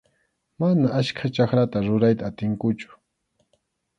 Mana achka chakrata rurayta atinkuchu.